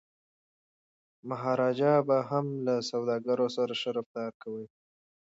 مهاراجا به هم له سوداګرو سره ښه رفتار کوي.